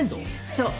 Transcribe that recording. そう。